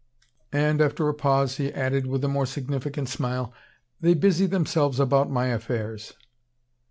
And, after a pause, he added, with a more significant smile: "They busy themselves about my affairs."